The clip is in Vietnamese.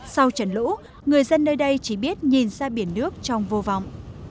sau trận lũ người dân nơi đây chỉ biết nhìn ra biển nước trong vô vọng